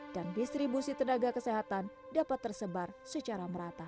dan distribusi tenaga kesehatan dapat tersebar